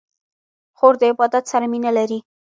خور د عبادت سره مینه لري.